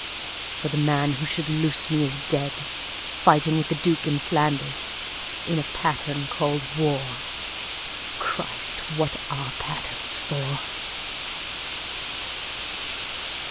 For the man who should loose me is dead, Fighting with the Duke in Flanders, In a pattern called a war. Christ! What are patterns for?